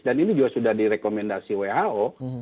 dan ini juga sudah direkomendasi who